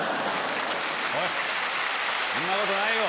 おいそんなことないよ。